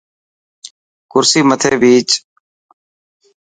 ڪرسي مٿي ڀيچ.